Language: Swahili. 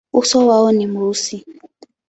Uso wao ni mweusi.